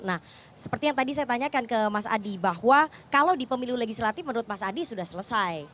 nah seperti yang tadi saya tanyakan ke mas adi bahwa kalau di pemilu legislatif menurut mas adi sudah selesai